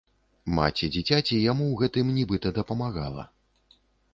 Маці дзіцяці яму ў гэтым, нібыта, дапамагала.